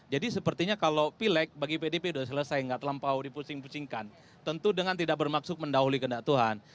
jadi sepertinya kalau pileg bagi pdip sudah selesai tidak terlampau dipusing pusingkan tentu dengan tidak bermaksud mendahului kendak tuhan